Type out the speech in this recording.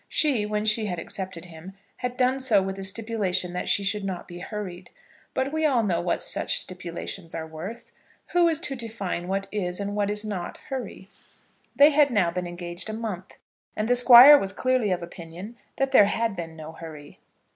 She, when she had accepted him, had done so with a stipulation that she should not be hurried; but we all know what such stipulations are worth. Who is to define what is and what is not hurry? They had now been engaged a month, and the Squire was clearly of opinion that there had been no hurry.